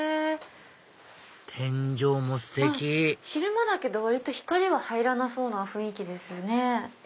天井もステキ昼間だけど割と光は入らなそうな雰囲気ですね。